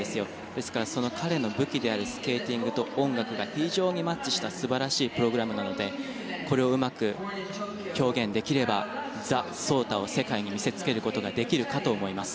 ですから、彼の武器であるスケーティングと音楽が非常にマッチした素晴らしいプログラムなのでこれをうまく表現できればザ・草太を世界に見せつけることができるかと思います。